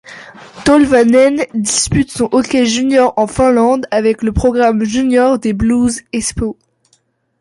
Tolvanen dispute son hockey junior en Finlande avec le programme junior des Blues Espoo.